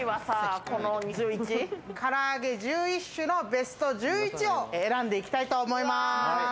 から揚げ１１種のベスト１１を選んでいきたいと思います。